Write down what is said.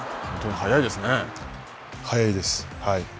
速いです。